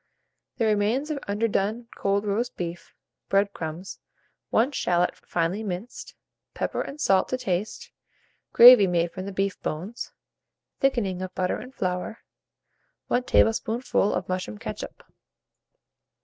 The remains of underdone cold roast beef, bread crumbs, 1 shalot finely minced, pepper and salt to taste, gravy made from the beef bones, thickening of butter and flour, 1 tablespoonful of mushroom ketchup.